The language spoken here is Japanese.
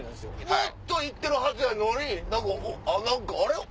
もっと行ってるはずやのにあれ？